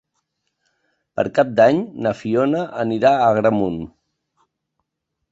Per Cap d'Any na Fiona anirà a Agramunt.